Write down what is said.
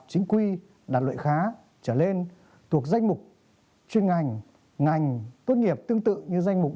chính quy đạt lợi khá trở lên thuộc danh mục chuyên ngành ngành tốt nghiệp tương tự như danh mục